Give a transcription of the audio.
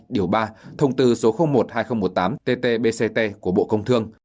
điều ba thông tư số một hai nghìn một mươi tám ttbct của bộ công thương